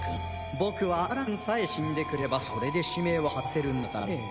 僕はバランくんさえ死んでくれればそれで使命は果たせるんだからね。